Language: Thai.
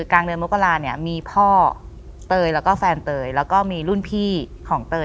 กลางเดือนมกราเนี่ยมีพ่อเตยแล้วก็แฟนเตยแล้วก็มีรุ่นพี่ของเตย